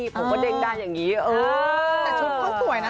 ชุดเข้าสวยนะ